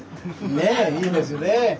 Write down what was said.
ねえいいですね。